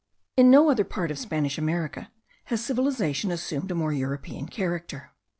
In no other part of Spanish America has civilization assumed a more European character.